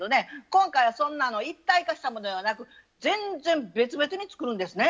今回はそんな一体化したものではなく全然別々に作るんですね。